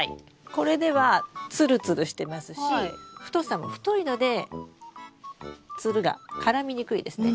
これではツルツルしてますし太さも太いのでツルが絡みにくいですね。